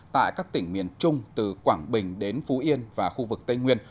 tại các tỉnh miền trung từ quảng bình đến phú yên và khu vực tây nguyên